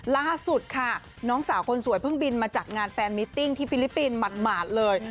ล่าสุดค่ะน้องสาวคนสวยเพิ่งบินมาจัดงานแฟนมิตติ้งที่ฟิลิปปินส์หมาดเลย